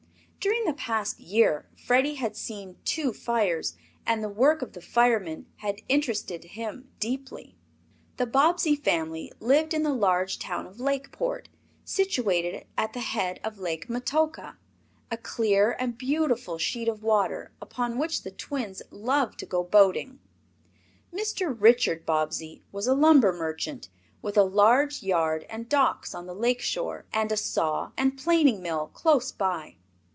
During the past year Freddie had seen two fires, and the work of the firemen had interested him deeply. The Bobbsey family lived in the large town of Lakeport, situated at the head of Lake Metoka, a clear and beautiful sheet of water upon which the twins loved to go boating. Mr. Richard Bobbsey was a lumber merchant, with a large yard and docks on the lake shore, and a saw and planing mill close by.